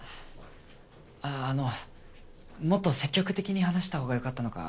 ああのもっと積極的に話したほうがよかったのか。